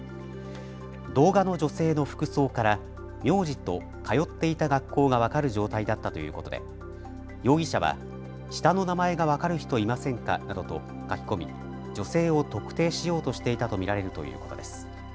動画の女性の服装から名字と通っていた学校が分かる状態だったということで容疑者は下の名前が分かる人いませんかなどと書き込み女性を特定しようとしていたと見られるということです。